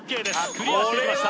クリアしていきました